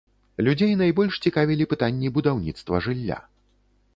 Людзей найбольш цікавілі пытанні будаўніцтва жылля.